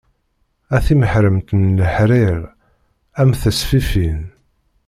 A timeḥremt n leḥrir, a m tesfifin.